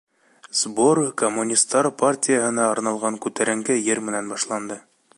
Сбор Коммунистар партияһына арналған күтәренке йыр менән башланды.